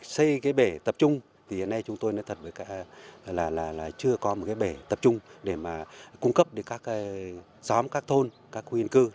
xây cái bể tập trung thì hiện nay chúng tôi nói thật là chưa có một cái bể tập trung để mà cung cấp đến các xóm các thôn các khu yên cư